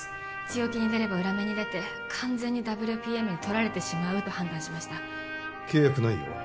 強気に出れば裏目に出て完全にＷＰＭにとられてしまうと判断しました契約内容は？